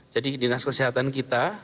jadi dinas kesehatan kita